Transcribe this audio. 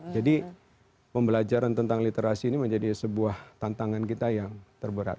jadi pembelajaran tentang literasi ini menjadi sebuah tantangan kita yang terberat